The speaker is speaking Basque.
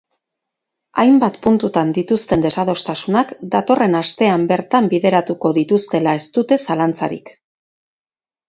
Hainbat puntutan dituzten desadostasunak datorren astean bertan bideratuko dituztela ez dute zalantzarik.